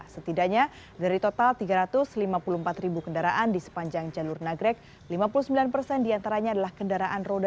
setidaknya dari total tiga ratus lima puluh empat ribu kendaraan di sepanjang jalur nagrek lima puluh sembilan persen diantaranya adalah kendaraan roda dua